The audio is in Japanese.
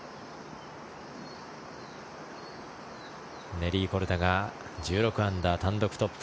ネリー・コルダが１６アンダー単独トップ。